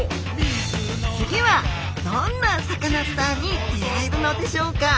次はどんなサカナスターに出会えるのでしょうか？